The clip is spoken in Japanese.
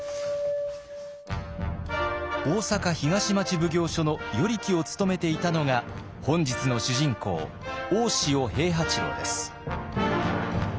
大坂東町奉行所の与力を務めていたのが本日の主人公大塩平八郎です。